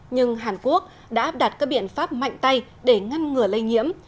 nhưng hàn quốc đã áp đặt các biện pháp mạnh tay để ngăn ngừa lây nhiễm